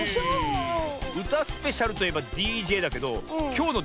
うたスペシャルといえばＤＪだけどきょうのＤＪはだれだ？